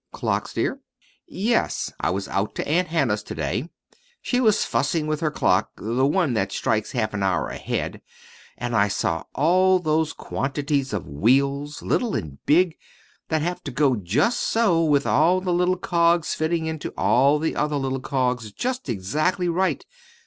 "Clocks, dear?" "Yes. I was out to Aunt Hannah's to day. She was fussing with her clock the one that strikes half an hour ahead and I saw all those quantities of wheels, little and big, that have to go just so, with all the little cogs fitting into all the other little cogs just exactly right.